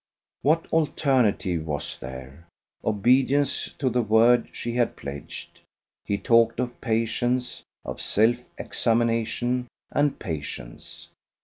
What alternative was there? obedience to the word she had pledged. He talked of patience, of self examination and patience.